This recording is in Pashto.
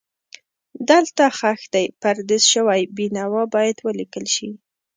دلته ښخ دی پردیس شوی بېنوا باید ولیکل شي.